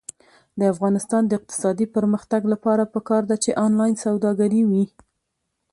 د افغانستان د اقتصادي پرمختګ لپاره پکار ده چې آنلاین سوداګري وي.